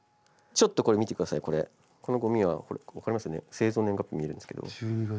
製造年月日見えるんですけど。